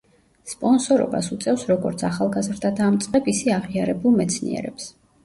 სპონსორობას უწევს როგორც ახალგაზრდა დამწყებ ისე აღიარებულ მეცნიერებს.